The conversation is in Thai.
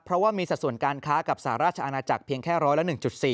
เพราะว่ามีสัดส่วนการค้ากับสหราชอาณาจักรเพียงแค่ร้อยละ๑๔